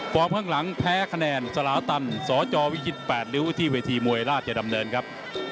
ข้างหลังแพ้คะแนนสลาตันสจวิชิต๘ริ้วที่เวทีมวยราชดำเนินครับ